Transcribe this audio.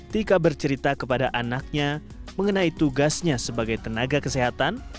tika bercerita kepada anaknya mengenai tugasnya sebagai tenaga kesehatan